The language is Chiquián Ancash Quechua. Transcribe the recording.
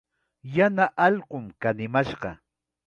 Yana allqum kanimashqa.